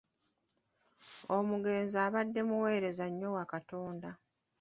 Omugenzi abadde muweereza nnyo wa Katonda.